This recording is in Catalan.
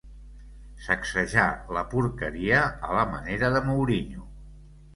Sacsejà la porqueria a la manera de Mourinho.